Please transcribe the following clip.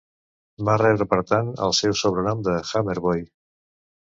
Va rebre per tant el seu sobrenom de "Hammerboy".